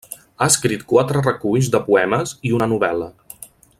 Ha escrit quatre reculls de poemes i una novel·la.